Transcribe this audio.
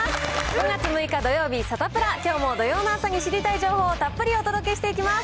５月６日土曜日、サタプラ、きょうも土曜の朝に知りたい情報をたっぷりお届けしていきます。